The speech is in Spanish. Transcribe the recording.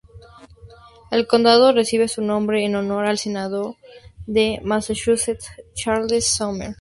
El condado recibe su nombre en honor al Senado de Massachusetts Charles Sumner.